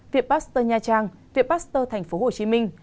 viện pasteur nha trang viện pasteur thành phố hồ chí minh